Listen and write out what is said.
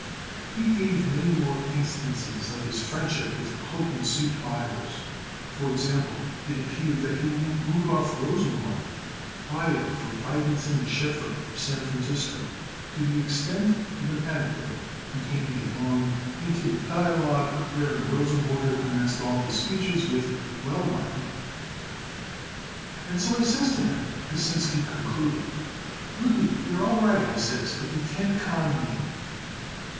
He gave many more instances of his friendship with cloak and suit buyers. For example, it appeared that he knew Rudolph Rosenwater, buyer for Feigenson & Schiffer, of San Francisco, to the extent of an anecdote containing a long, intimate dialogue wherein Rosenwater commenced all his speeches with: "Well, Markie." "And so I says to him," Pasinsky concluded, "'Rudie, you are all right,' I says, 'but you can't con me.'"